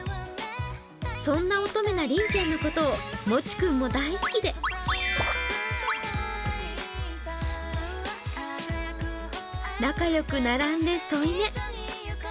そんな乙女なりんちゃんのことをもち君も大好きで仲良く並んで添い寝。